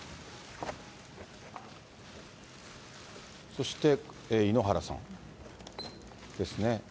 そして井ノ原さんですね。